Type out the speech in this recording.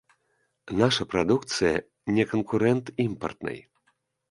Наша прадукцыя не канкурэнт імпартнай.